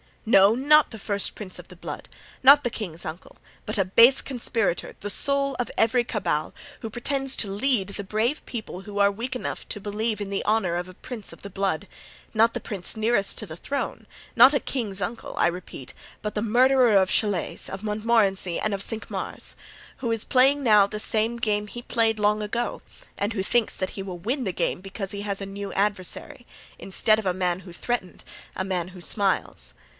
"No! not the first prince of the blood, not the king's uncle, but the base conspirator, the soul of every cabal, who pretends to lead the brave people who are weak enough to believe in the honor of a prince of the blood—not the prince nearest to the throne, not the king's uncle, I repeat, but the murderer of Chalais, of Montmorency and of Cinq Mars, who is playing now the same game he played long ago and who thinks that he will win the game because he has a new adversary—instead of a man who threatened, a man who smiles.